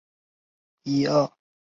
慕生忠生于吴堡县的一个农民家庭。